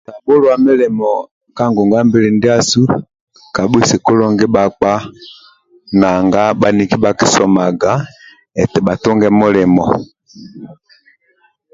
Kabhulwa milimo kabhuisi kulungi bhakpa nanga bhaniki bhakisomaga eti bhatunge mulimo